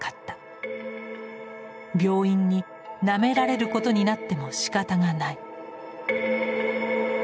病院に「『なめられる』ことになってもしかたがない」。